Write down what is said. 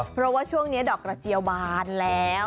เพราะว่าช่วงนี้ดอกกระเจียวบานแล้ว